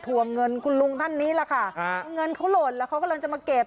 วงเงินคุณลุงท่านนี้แหละค่ะเงินเขาหล่นแล้วเขากำลังจะมาเก็บ